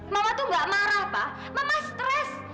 mama tuh gak marah pak mama stres